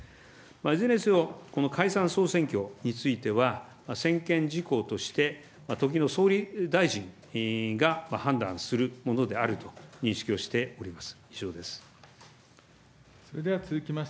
いずれにせよ、この解散・総選挙については、専権事項として時の総理大臣が判断するものであると認識をしております。